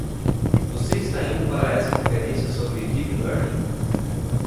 Você está indo para essa conferência sobre Deep Learning?